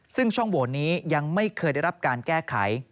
ซึ่งช่องโหวตนี้ยังไม่เคยได้รับการแก้ไข